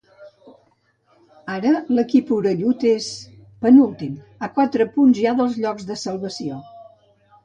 Ara, l’equip orellut és… penúltim, a quatre punts ja dels llocs de salvació.